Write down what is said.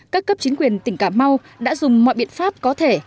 các cấp chính quyền tỉnh cà mau đã dùng mọi biện pháp có thể